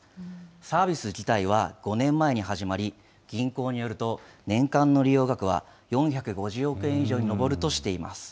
サービス自体は５年前に始まり、銀行によると、年間の利用額は４５０億円に上るとしています。